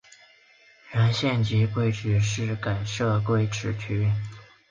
原县级贵池市改设贵池区。